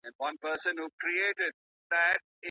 د فزیوتراپي تمرینونه په بستر کي څنګه کیږي؟